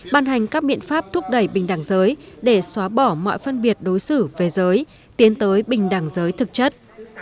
ban hành các biện pháp thúc đẩy bình đẳng giới để xóa bỏ mọi phân biệt đối xử về giới tiến tới bình đẳng giới thực chất